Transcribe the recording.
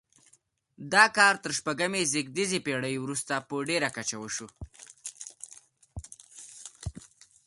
دا کار تر شپږمې زېږدیزې پیړۍ وروسته په ډیره کچه وشو.